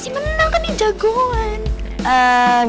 gini pasti menang kan nih jagoan